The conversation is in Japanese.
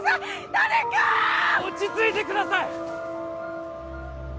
誰かーっ落ち着いてください